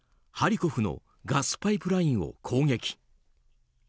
ハリコフのガスパイプラインを攻撃。